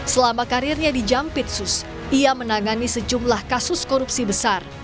selama karirnya di jampitsus ia menangani sejumlah kasus korupsi besar